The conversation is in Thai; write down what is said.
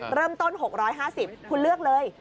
เริ่มต้น๖๕๐คุณเลือกเลย